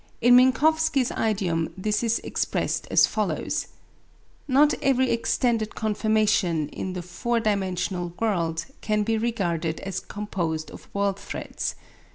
In Minkowski's idiom this is expressed as follows: Not every extended conformation in the four dimensional world can be regarded as composed of world threads.